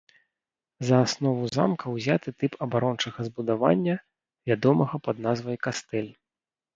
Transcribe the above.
За аснову замка ўзяты тып абарончага збудавання, вядомага пад назвай кастэль.